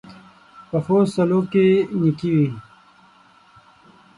پخو سلوکو کې نېکي وي